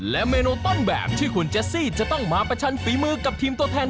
และเมนูต้นแบบที่คุณเจสซี่จะต้องมาประชันฝีมือกับทีมตัวแทน